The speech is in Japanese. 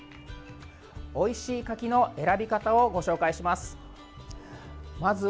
おいしい柿の選び方をご紹介します。